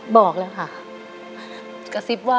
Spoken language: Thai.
บอกแล้วค่ะ